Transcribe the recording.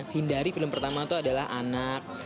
hindari film pertama itu adalah anak